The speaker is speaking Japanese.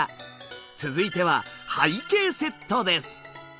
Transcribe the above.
続いては背景セットです。